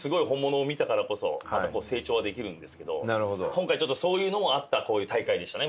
今回ちょっとそういうのもあった大会でしたね